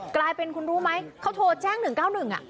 กลายเป็นคุณรู้ไหมเขาโทรแจ้ง๑๙๑